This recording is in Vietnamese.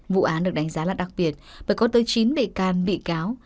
vụ án được đánh giá là đặc biệt bởi có tới chín bị can bị cáo